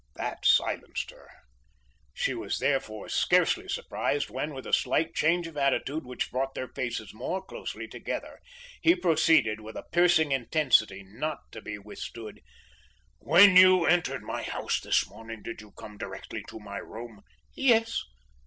That silenced her. She was therefore scarcely surprised when, with a slight change of attitude which brought their faces more closely together, he proceeded, with a piercing intensity not to be withstood: "When you entered my house this morning, did you come directly to my room?" "Yes.